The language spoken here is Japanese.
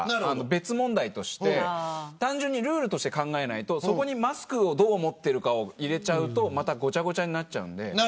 別問題として単純にルールとして考えないとそこにマスクをどう思っているかを入れちゃうとごちゃごちゃになってしまう。